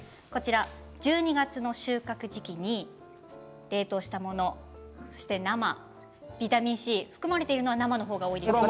１２月の収穫時期に冷凍したものそして生、ビタミンＣ、含まれているのは、生の方が多いですね。